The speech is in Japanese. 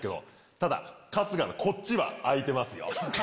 ただ春日のこっちは空いてますよ。